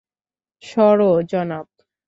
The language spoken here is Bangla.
সরো, জনাব।